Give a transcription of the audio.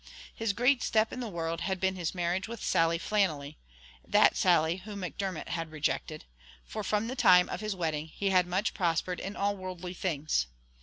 His great step in the world had been his marriage with Sally Flannelly, that Sally whom Macdermot had rejected, for from the time of his wedding he had much prospered in all worldly things.